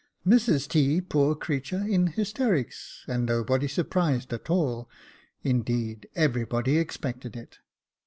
Mrs T., poor creature, in hysterics, and — nobody surprised at it ; indeed, everybody expected it.